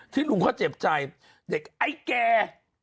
ลุงเขาเจ็บใจเด็กไอ้แก